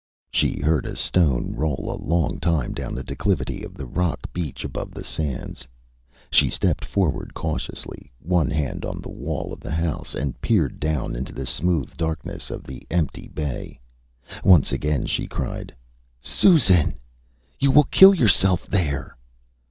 She heard a stone roll a long time down the declivity of the rocky beach above the sands. She stepped forward cautiously, one hand on the wall of the house, and peered down into the smooth darkness of the empty bay. Once again she cried ÂSusan! You will kill yourself there.